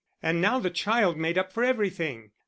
And now the child made up for everything.